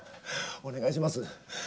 お願いします。